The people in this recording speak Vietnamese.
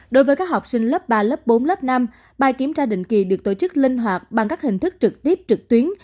đối với các học sinh lớp ba lớp bốn lớp năm bài kiểm tra định kỳ được tổ chức linh hoạt bằng các hình thức trực tiếp trực tuyến